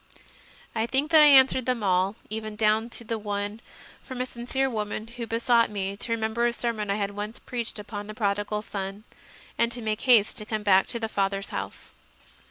I think that I answered them all, even down to one from a sincere woman who besought me to remember a sermon I had once preached upon the Prodigal Son, and to make haste to come back to the Father s house.